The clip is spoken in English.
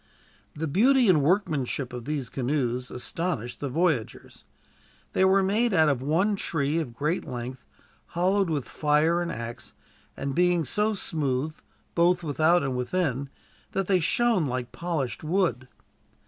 The beauty and workmanship of these canoes astonished the voyagers. They were made out of one tree of great length, hollowed with fire and axe; and being so smooth, both without and within, that they shone like polished wood.